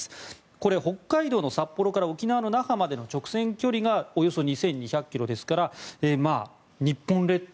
これ、北海道の札幌から沖縄の那覇までの直線距離がおよそ２２００ｋｍですから日本列島